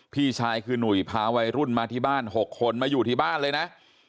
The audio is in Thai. พี่ชายคือหนุ่ยพาวัยรุ่นมาที่บ้าน๖คนมาอยู่ที่บ้านเลยนะ